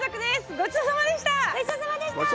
ごちそうさまでした！